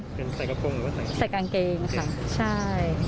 ใส่กระโปรงหรือว่าใส่กางเกงค่ะใช่